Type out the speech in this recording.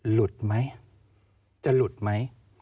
หลุดไหมจะหลุดไหม